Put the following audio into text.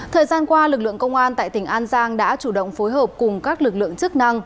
thời gian qua lực lượng công an tại tỉnh an giang đã chủ động phối hợp cùng các lực lượng chức năng